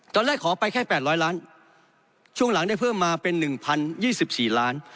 ตอนแรกขอไปแค่๘๐๐ล้านช่วงหลังได้เพิ่มมาเป็น๑๐๒๔ล้าน